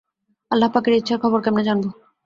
আল্লাহপাকের ইচ্ছার খবর কেমনে জানব?